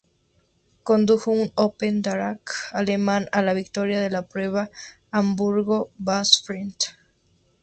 Condujo un Opel-Darracq alemán a la victoria en la prueba Hamburgo-Bahrenfeld.